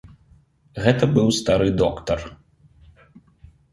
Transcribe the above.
Гэта быў стары доктар.